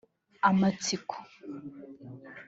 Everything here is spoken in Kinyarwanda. amatsiko